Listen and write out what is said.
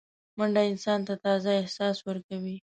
منډه انسان ته تازه احساس ورکوي